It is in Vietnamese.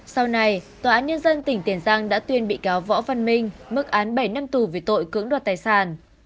sau này tòa án nhân dân tỉnh tiền giang đã tuyên bị cáo võ văn minh mức án bảy năm tù về tội cưỡng đoạt tài sản